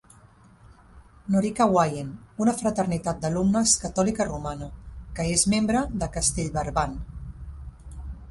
Norica Wien, una fraternitat d'alumnes catòlica romana, que és membre de Cartellverband.